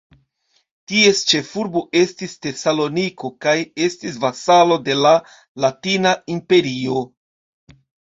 Ties ĉefurbo estis Tesaloniko kaj estis vasalo de la Latina imperio.